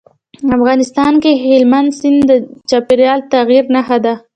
افغانستان کې هلمند سیند د چاپېریال د تغیر نښه ده.